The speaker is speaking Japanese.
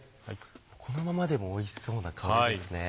このままでもおいしそうな香りですね。